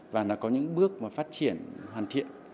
và nó có những bước mà phát triển hoàn thiện